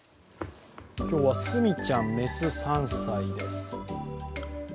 今日はスミちゃんメス、３歳です。